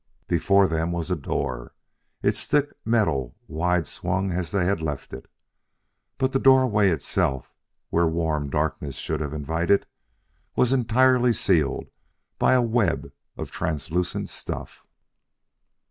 Before them was the door, its thick metal wide swung as they had left it. But the doorway itself, where warm darkness should have invited, was entirely sealed by a web of translucent stuff.